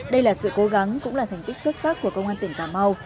đây là sự cố gắng cũng là thành tích xuất sắc của công an tỉnh cà mau